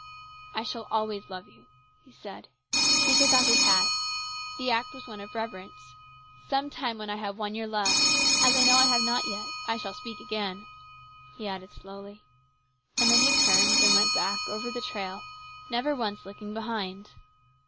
" I shall always love you," he said. He took off his hat. The act was one of reverence. " Some time, when I have won your love, as I know I have not yet, I shall speak again," he added slowly. And then he turned and went back over the trail, never once looking behind.